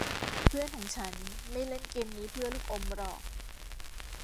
เพื่อนของฉันไม่เล่นเกมนี้เพื่อลูกอมหรอก